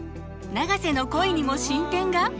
永瀬の恋にも進展が！？